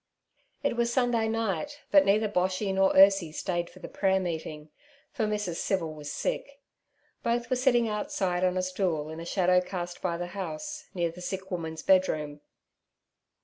It was Sunday night, but neither Boshy nor Ursie stayed for the prayer meeting, for Mrs. Civil was sick. Both were sitting outside on a stool in a shadow cast by the house, near the sick woman's bedroom.